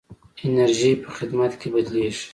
انرژي په خدمت کې بدلېږي.